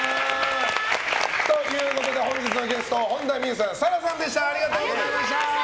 本日のゲスト本田望結さん、紗来さんでした。